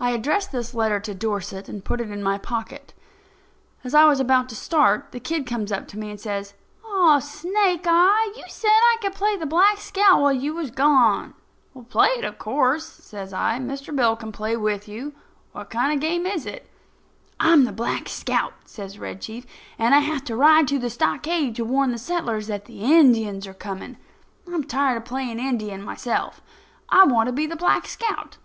I addressed this letter to Dorset, and put it in my pocket. As I was about to start, the kid comes up to me and says: "Aw, Snake eye, you said I could play the Black Scout while you was gone." "Play it, of course," says I. "Mr. Bill will play with you. What kind of a game is it?" "I'm the Black Scout," says Red Chief, "and I have to ride to the stockade to warn the settlers that the Indians are coming. I'm tired of playing Indian myself. I want to be the Black Scout."